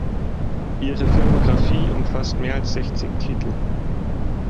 Ihre Filmografie umfasst mehr als sechzig Titel.